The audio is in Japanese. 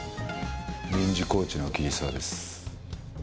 臨時コーチの桐沢です。